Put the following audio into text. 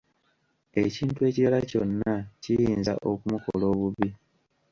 Ekintu ekirala kyonna kiyinza okumukola obubi.